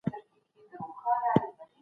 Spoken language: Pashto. نوي قوانين د پارلمان لخوا تصويب کيږي.